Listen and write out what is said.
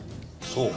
そう？